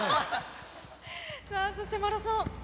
さあ、そしてマラソン。